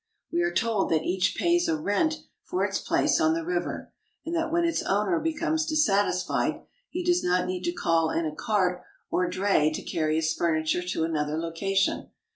We are told' that each pays a rent for its place on the river, and that when its owner becomes dissatisfied, he does not need to call in a cart or dray to carry his furniture to another location.